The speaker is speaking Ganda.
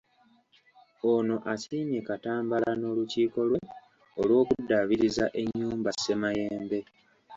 Ono asiimye Katambala n'olukiiko lwe olw'okuddaabiriza ennyumba Ssemayembe .